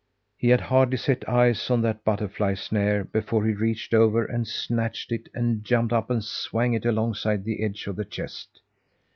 He had hardly set eyes on that butterfly snare, before he reached over and snatched it and jumped up and swung it alongside the edge of the chest.